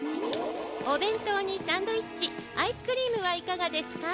おべんとうにサンドイッチアイスクリームはいかがですか？